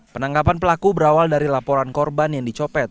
penangkapan pelaku berawal dari laporan korban yang dicopet